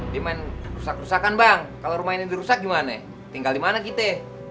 dia main rusak rusakan bang kalau rumah ini dirusak gimana tinggal di mana kita